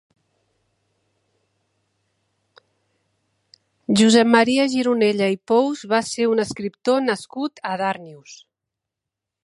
Josep Maria Gironella i Pous va ser un escriptor nascut a Darnius.